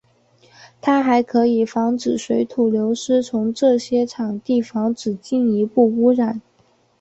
它还可以防止水土流失从这些场地防止进一步污染。